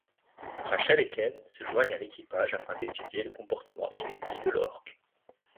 Rachel et Ken se joignent à l'équipage afin d'étudier le comportement inédit de l'orque.